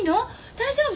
大丈夫？